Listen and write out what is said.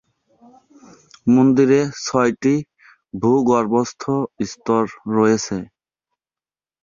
মন্দিরে ছয়টি ভূগর্ভস্থ স্তর রয়েছে।